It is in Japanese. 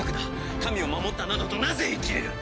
民を守ったなどとなぜ言いきれる！？